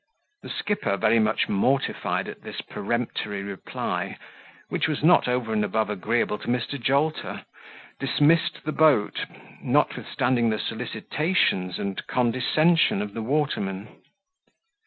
The skipper, very much mortified at this peremptory reply, which was not over and above agreeable to Mr. Jolter, dismissed the boat, notwithstanding the solicitations and condescension of the watermen.